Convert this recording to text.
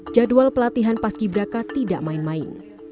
jadwal pelatihan pas ibraka tidak main main